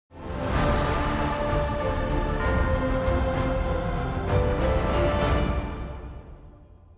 phóng sự được phát trong chuyên mục trang địa phương kênh truyền hình nhân dân cảm ơn sự quan tâm theo dõi của quý vị và các bạn và xin kính chào tạm biệt